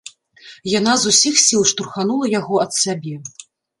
Яна з усіх сіл штурханула яго ад сябе.